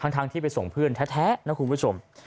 ทั้งที่ไปส่งเพื่อนแท้นะคุณผู้ชม